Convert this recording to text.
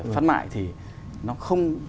phát mại thì nó không